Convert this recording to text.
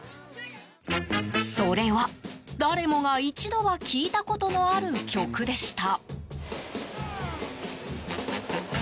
それは、誰もが一度は聞いたことのある曲でした。